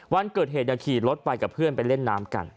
วันเกิดเหตุขี่รถไปกับเพื่อนไปเล่นน้ำกัน